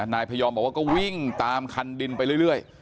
นายพยอมบอกว่าก็วิ่งตามคันดินไปเรื่อย